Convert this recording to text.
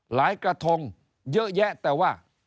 กระทงเยอะแยะแต่ว่า